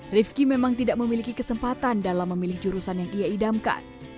rifki memang tidak memiliki kesempatan dalam memilih jurusan yang ia idamkan